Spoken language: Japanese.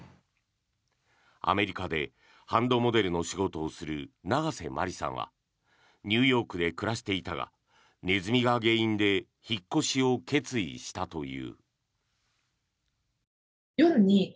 アメリカでハンドモデルの仕事をする永瀬まりさんはニューヨークで暮らしていたがネズミが原因で引っ越しを決意したという。